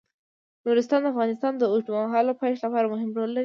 نورستان د افغانستان د اوږدمهاله پایښت لپاره مهم رول لري.